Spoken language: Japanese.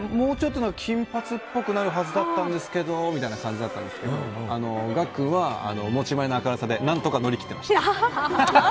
もうちょっと金髪っぽくなるはずだったんですけどみたいな感じだったんですけど岳君は、持ち前の明るさで何とか乗り切っていました。